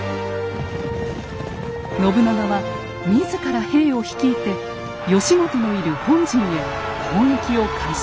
信長は自ら兵を率いて義元のいる本陣へ攻撃を開始。